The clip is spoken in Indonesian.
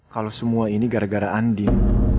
kalau semua ini gara gara andin